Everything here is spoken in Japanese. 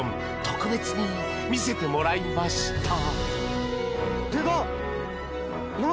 特別に見せてもらいました。